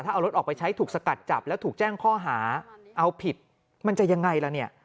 ถ้าเอารถออกไปใช้ถูกสกัดจับแล้วถูกแจ้งข้อหาเอาผิดมันจะยังไงล่ะเนี่ย